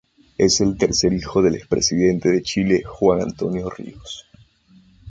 Es el tercer hijo del expresidente de Chile Juan Antonio Ríos.